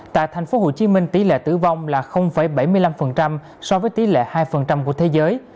tại tp hcm tỷ lệ tử vong là bảy mươi năm so với tỷ lệ hai của thế giới